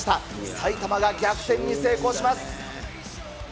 埼玉が逆転に成功します。